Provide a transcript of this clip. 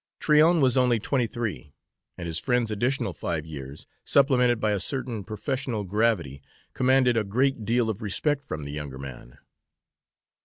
Tryon was only twenty three, and his friend's additional five years, supplemented by a certain professional gravity, commanded a great deal of respect from the younger man.